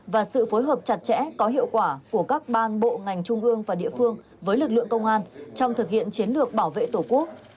và sự phối hợp chặt chẽ có hiệu quả của các ban bộ ngành trung ương và địa phương với lực lượng công an trong thực hiện chiến lược bảo vệ tổ quốc